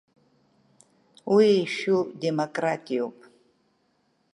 Уи ишәу демократиоуп.